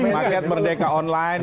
mereka masih lihat merdeka online